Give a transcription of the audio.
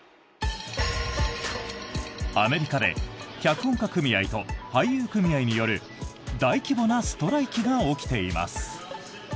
アメリカで脚本家組合と俳優組合による大規模なストライキが起きています。